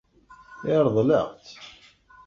Yeṛḍel-aɣ-tt.